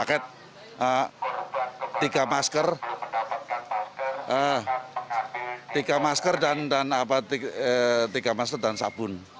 kmi empat ratus paket tiga masker tiga masker dan sabun